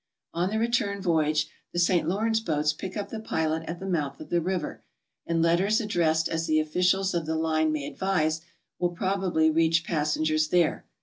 On the return voyage the St. Lawrence boats pick up the pilot at the mouth of the river, and letters addressed as the officials of the line may advise, will prob ably reach passengers there.